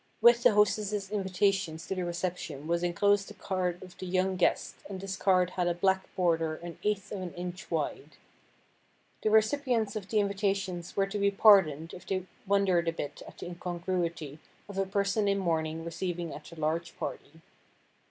With the hostess' invitations to the reception was enclosed the card of the young guest, and this card had a black border an eighth of an inch wide. The recipients of the invitations were to be pardoned if they wondered a bit at the incongruity of a person in mourning receiving at a large party.